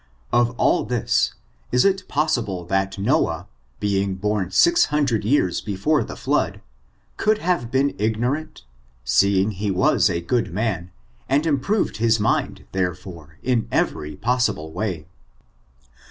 Of all this, is iL possible that Noah, being bom six hundred years be fore the flood, could have been ignorant, seeing be was a good man, and improved his mind, thorefinc^ in every possible way.